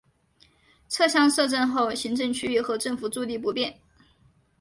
撤乡设镇后行政区域和政府驻地不变。